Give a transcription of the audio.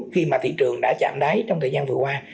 khi mà thị trường đã chạm đáy trong thời gian vừa qua